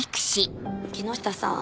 木下さん